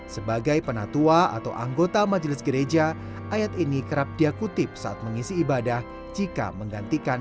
sebagai penatua atau anggota majelis gereja ayat ini kerap dia kutip saat mengisi ibadah jika menggantikan